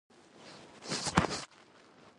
چې له لرې څخه د مصر د اهرامونو په څیر ښکاري.